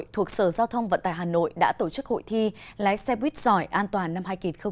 thuộc sở giao thông vận tải hà nội đã tổ chức hội thi lái xe buýt giỏi an toàn năm hai nghìn hai mươi